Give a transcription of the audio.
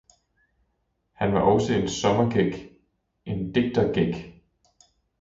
han var også en sommergæk, en digtergæk!